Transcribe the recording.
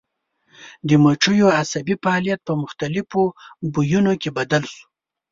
د مچیو عصبي فعالیت په مختلفو بویونو کې بدل شو.